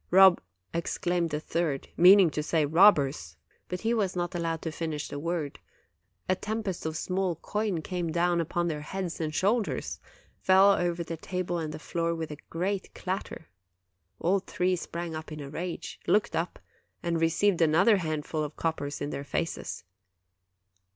" 'Rob ' exclaimed the third, meaning to say 'robbers' ; but he was not allowed to finish the word : a tempest of small coin came down upon their heads and shoulders, fell over the table and the floor with a great clatter. All three sprang up in a rage, looked up, and received another handful of coppers in their faces.